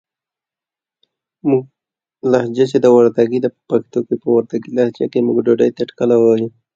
Feeling embarrassed and betrayed, Rafi ends her treatment with Lisa.